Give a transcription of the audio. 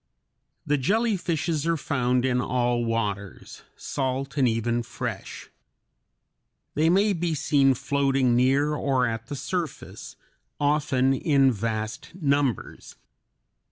The jellyfishes are found in all waters, salt and even fresh. They may be seen floating near or at the surface, often in vast numbers.